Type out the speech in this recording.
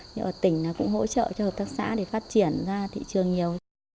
nhưng mà tỉnh cũng hỗ trợ cho hợp tác xã để phát triển ra thị trường nhiều